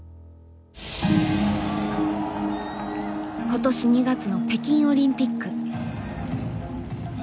今年２月の北京オリンピック。